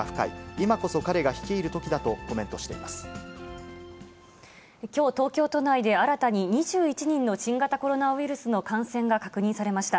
今こそ彼が率いる時だとコメントしていまきょう、東京都内で新たに２１人の新型コロナウイルスの感染が確認されました。